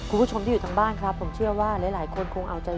คุณผู้ชมที่อยู่ทางบ้านครับผมเชื่อว่าหลายคนคงเอาใจ